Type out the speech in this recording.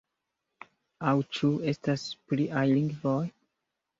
Aŭ ĉu estas pliaj lingvoj?